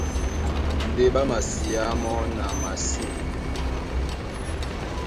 Ndé ɓá masiá mɔ́ na masîn.